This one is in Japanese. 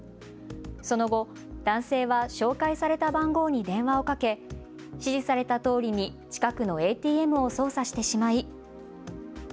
その後、男性は紹介された番号に電話をかけ指示されたとおりに近くのＡＴＭを操作してしまい。